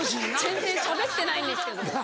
全然しゃべってないんですけど。